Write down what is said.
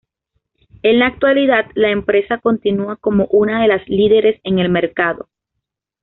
En la actualidad la empresa continúa como una de las líderes en el mercado.